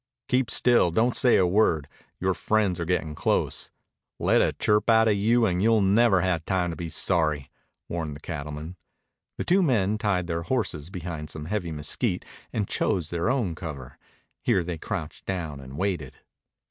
"Keep still. Don't say a word. Yore friends are gettin' close. Let a chirp outa you, and you'll never have time to be sorry," warned the cattleman. The two men tied their horses behind some heavy mesquite and chose their own cover. Here they crouched down and waited.